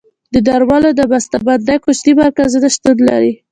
د درملو د بسته بندۍ کوچني مرکزونه شتون لري.